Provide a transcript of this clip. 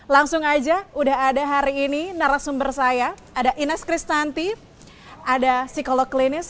langsung aja udah ada hari ini narasumber saya ada ines krisnanti ada psikolog klinis